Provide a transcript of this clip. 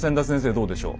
どうでしょう？